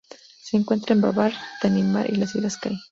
Se encuentra en Babar, Tanimbar, y la Islas Kai.